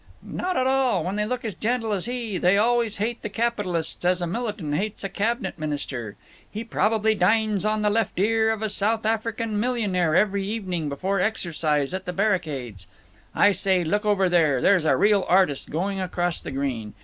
"Not at all. When they look as gentle as he they always hate the capitalists as a militant hates a cabinet minister. He probably dines on the left ear of a South African millionaire every evening before exercise at the barricades…. I say, look over there; there's a real artist going across the green.